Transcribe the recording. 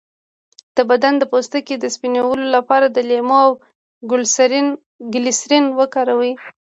د بدن د پوستکي د سپینولو لپاره د لیمو او ګلسرین وکاروئ